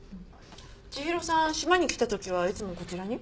千尋さん島に来た時はいつもこちらに？